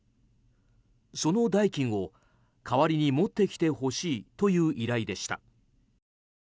その代金を代わりに持ってきてほしいという依頼でした。